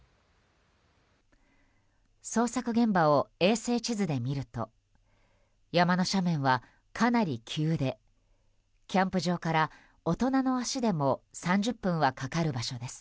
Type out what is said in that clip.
捜索現場を衛星地図で見ると山の斜面はかなり急でキャンプ場から大人の足でも３０分はかかる場所です。